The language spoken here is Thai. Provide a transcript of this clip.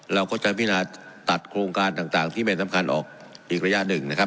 เราก็จะพินาตัดโครงการต่างที่ไม่สำคัญออกอีกระยะหนึ่งนะครับ